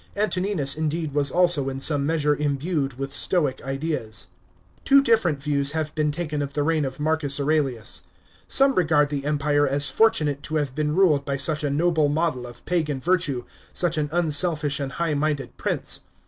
Antoninus indeed was also in some measure imbued with Stoic ideas, Two different views have been taken of the reign of Marcus Aurelius. Some regard the Empire as fortunate to have been ruled by such a noble model of Pagan virtue, such an unselfish and high * minded prince.